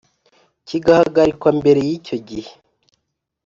Kigahagarikwa mbere y icyo gihe